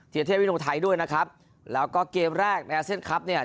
เทียดเทพวิทยุงไทยด้วยนะครับแล้วก็เกมแรกในเซ็นครับเนี่ย